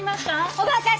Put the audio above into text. おばあちゃん